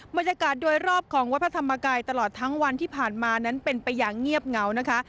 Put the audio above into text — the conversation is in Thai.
บรรยากาศโดยรอบของวัดพระธรรมกายตลอดทั้งวันที่ผ่านมานั้นเป็นไปอย่างเงียบเหงานะคะ